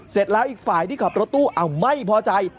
เสร็จแล้วอีกฝ่ายที่ขับรถตู้อ้าวไม่พอใจ